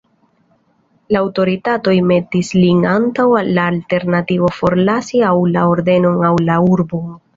La aŭtoritatoj metis lin antaŭ la alternativo forlasi aŭ la ordenon aŭ la urbon.